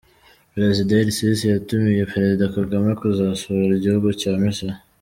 Perezida El-Sisi yatumiye Perezida Kagame kuzasura igihugu cya Misiri.